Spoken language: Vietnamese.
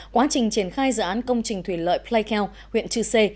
quá trình triển khai dự án công trình thủy lợi playkeo huyện trư sê